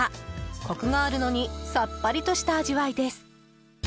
コクがあるのにさっぱりとした味わいです。